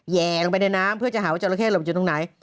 แห่ลงไปในน้ำเพื่อจะหาว่าจราเข้เราไปเจอตรงไหน